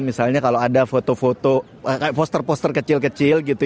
misalnya kalau ada foto foto poster poster kecil kecil gitu